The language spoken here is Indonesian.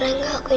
aku sudah mampu